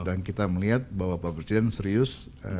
dan kita melihat bahwa pak presiden serius